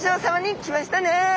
来ましたね！